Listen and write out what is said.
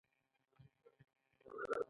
ګلاب خوشبوی دی.